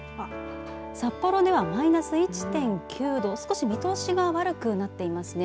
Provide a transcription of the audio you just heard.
札幌では、マイナス１．９度少し見通しが悪くなっていますね。